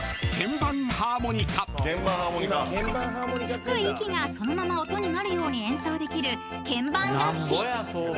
［吹く息がそのまま音になるように演奏できる鍵盤楽器］